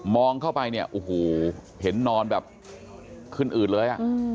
องเข้าไปเนี่ยโอ้โหเห็นนอนแบบขึ้นอืดเลย